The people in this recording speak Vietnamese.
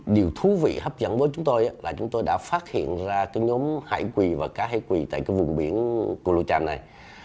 điều thú vị hấp dẫn với chúng tôi là chúng tôi đã phát hiện ra cái nhóm hải quỳ và cá hải quỳ tại cái vùng biển cù lao tràm này